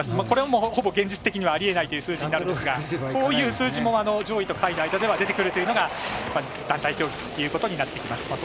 これは、ほぼ現実的にはありえないという数字にはなるんですがこういう数字も上位と下位の間では出てくるというのが団体競技となってきます。